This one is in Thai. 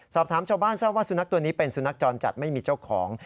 สอบถามเจ้าบ้านเศร้าว่าสุนัขตัวนี้เป็นสุนัขจรจัดไม่มีเจ้าของ